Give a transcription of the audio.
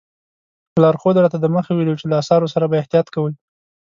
لارښود راته دمخه ویلي وو چې له اثارو سره به احتیاط کوئ.